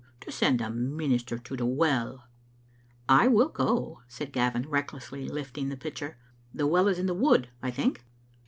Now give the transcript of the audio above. To send a minister to the well !"" I will go," said Gavin, recklessly lifting the pitcher. •* The well is in the wood, I think?"